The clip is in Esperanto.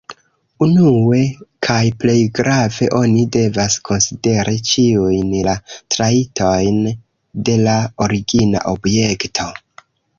Unue, kaj plej grave, oni devas konsideri ĉiujn la trajtojn de la origina objekto.